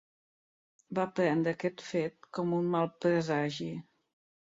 Va prendre aquest fet com un mal presagi.